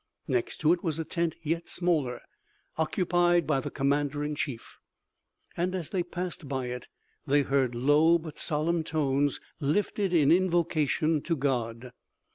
Next to it was a tent yet smaller, occupied by the commander in chief, and as they passed by it they heard low but solemn tones lifted in invocation to God.